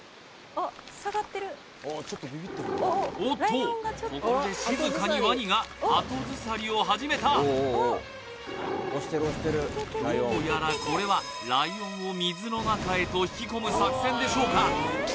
おっとここで静かにワニが後ずさりを始めたどうやらこれはライオンを水の中へと引き込む作戦でしょうか？